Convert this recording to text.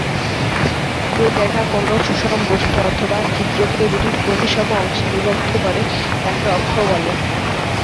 যে রেখা কোনো সুষম বস্তু অথবা চিত্রকে দু'টি প্রতিসম অংশে বিভক্ত করে তাকে অক্ষ বলে।